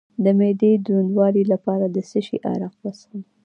د معدې د دروندوالي لپاره د څه شي عرق وڅښم؟